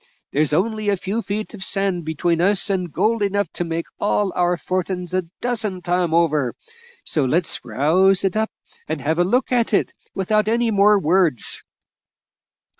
There's only a few feet of sand between us and gold enough to make all our fortin's a dozen times over, so let's rouse it up and have a look at it, without any more words."